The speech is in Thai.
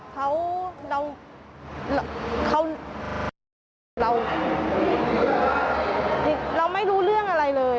เขาเราไม่รู้เรื่องอะไรเลย